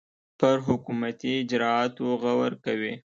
پر حکومتي اجرآتو غور کوي.